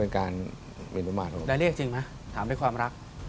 การมีความรัก